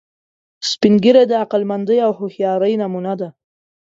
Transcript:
سپین ږیری د عقلمندۍ او هوښیارۍ نمونه دي